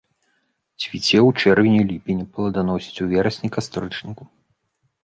Цвіце ў чэрвені-ліпені, плоданасіць у верасні-кастрычніку.